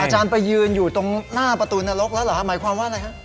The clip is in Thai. อาจารย์ไปยืนอยู่ตรงหน้าประตูนรกแล้วเหรอหมายความว่าอะไรฮะ